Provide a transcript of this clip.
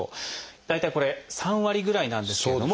大体これ３割ぐらいなんですけれども。